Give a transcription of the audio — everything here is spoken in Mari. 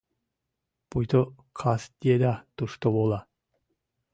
Пуйто кас еда тушко вола.